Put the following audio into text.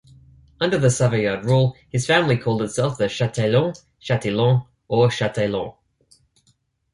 Under the Savoyard rule his family called itself Chateillon, Chatillon, or Chataillon.